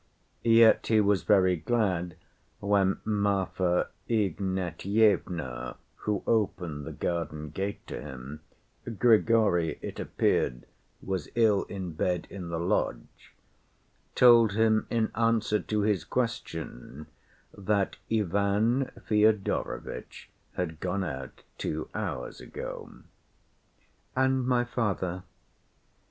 Yet he was very glad when Marfa Ignatyevna, who opened the garden gate to him (Grigory, it appeared, was ill in bed in the lodge), told him in answer to his question that Ivan Fyodorovitch had gone out two hours ago. "And my father?"